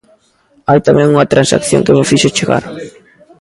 Hai tamén unha transacción que me fixo chegar.